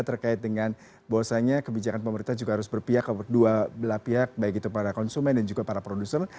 terkait dengan bahwasannya kebijakan pemerintah juga harus berpihak dua belah pihak baik itu para konsumen dan juga para produser